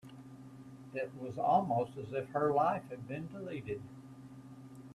It was almost as if her life had been deleted.